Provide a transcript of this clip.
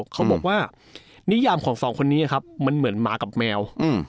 เขาบอกว่านิยามของสองคนนี้ครับมันเหมือนหมากับแมว